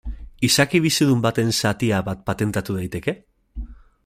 Izaki bizidun baten zatia bat patentatu daiteke?